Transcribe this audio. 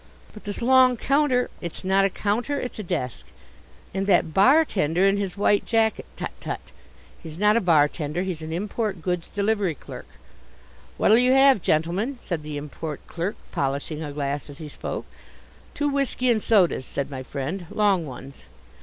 "But this long counter " "It's not a counter, it's a desk." "And that bar tender in his white jacket " "Tut! Tut! He's not a bar tender. He's an Import Goods Delivery Clerk." "What'll you have, gentlemen," said the Import Clerk, polishing a glass as he spoke. "Two whisky and sodas," said my friend, "long ones."